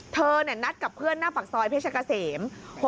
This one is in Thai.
เธอนัดกับเพื่อนหน้าฝักซอยเพชรกะเสม